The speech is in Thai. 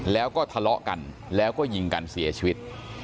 แล้วก็ทะเลาะกันแล้วก็ยิงกันเสียชีวิต